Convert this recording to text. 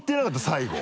最後。